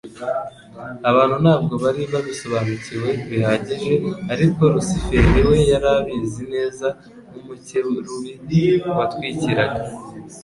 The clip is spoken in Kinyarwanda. abantu ntabwo bari babisobanukiwe bihagije; ariko Lusiferi we yari abizi neza, nk'umukerubi watwikiraga